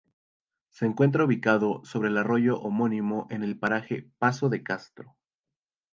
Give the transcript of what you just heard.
Se encuentra ubicado sobre el arroyo homónimo en el paraje Paso de Castro.